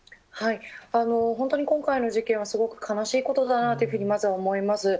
本当に今回の事件は、すごく悲しいことだなというふうにまずは思います。